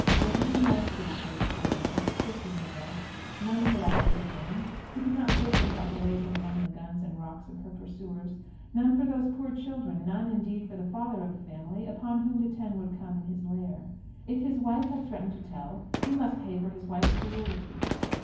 There could be no escape for those poor wretches, stripped in their bed; none for that aged woman, who could not take herself away from among the guns and rocks of her pursuers; none for those poor children; none, indeed, for the father of the family, upon whom the ten would come in his lair. If his wife had threatened to tell, he must pay for his wife's garrulity.